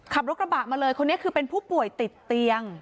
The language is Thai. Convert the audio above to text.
ขับรถกระบะมาเลยคนนี้คือเป็นผู้ป่วยติดเตียง